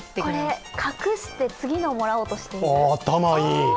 これ、隠して次のをもらおうとしている？